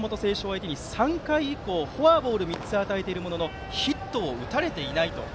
相手に３回以降フォアボールを３つ与えているもののヒットを打たれていないと。